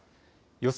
予想